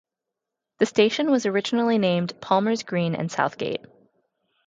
The station was originally named Palmers Green and Southgate.